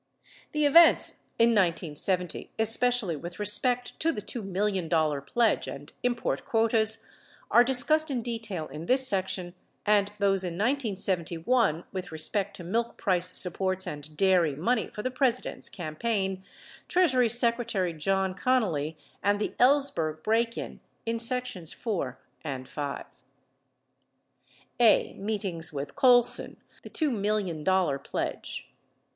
The events in 1970, especially with respect to the $2 million pledge and import quotas, are discussed in detail in this section, and those m 1971, with respect to milk price supports and dairy money for the President's campaign, Treasury Secretary John Connally and the Ellsberg break in, in sections IV and V. A. Meetings With Colson — the $2 Million Pledge 1.